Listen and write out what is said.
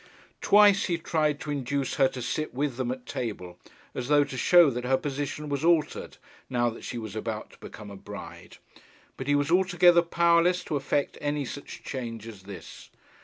Twice he tried to induce her to sit with them at table, as though to show that her position was altered now that she was about to become a bride; but he was altogether powerless to effect any such change as this.